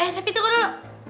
tapi tunggu dulu